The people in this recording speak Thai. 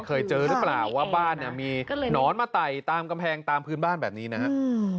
เคยเจอหรือเปล่าว่าบ้านเนี่ยมีหนอนมาไต่ตามกำแพงตามพื้นบ้านแบบนี้นะครับ